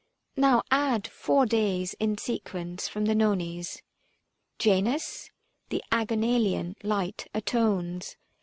Now add four days in sequence from the Nones Janus, the Agonalian light atones.